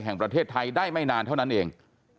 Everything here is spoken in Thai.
แห่งประเทศไทยได้ไม่นานเท่านั้นเอง